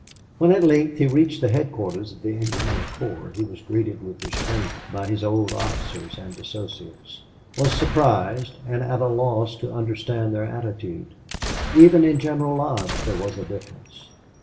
When at length he reached the headquarters of the engineer corps he was greeted with restraint by his old officers and associates; was surprised and at a loss to understand their attitude. Even in General Lodge there was a difference.